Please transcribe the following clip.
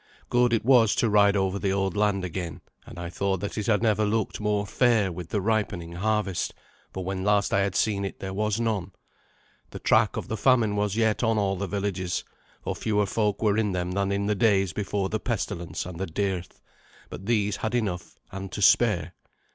Good it was to ride over the old land again, and I thought that it had never looked more fair with the ripening harvest, for when last I had seen it there was none. The track of the famine was yet on all the villages, for fewer folk were in them than in the days before the pestilence and the dearth, but these had enough and to spare.